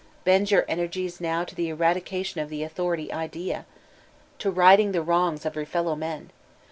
Bend your energies now to the eradication of the Auttor ity idea, to righting the wrongs of your feUow men.